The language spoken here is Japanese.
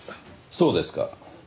そうですか。